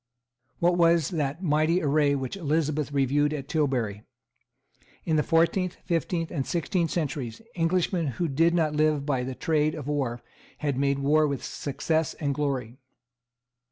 What was that mighty array which Elizabeth reviewed at Tilbury? In the fourteenth, fifteenth, and sixteenth centuries Englishmen who did not live by the trade of war had made war with success and glory.